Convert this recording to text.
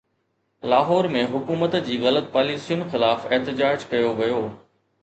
لاهور ۾ حڪومت جي غلط پاليسين خلاف احتجاج ڪيو ويو